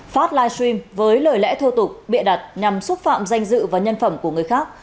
phát livestream với lời lẽ thô tục bịa đặt nhằm xúc phạm danh dự và nhân phẩm của người khác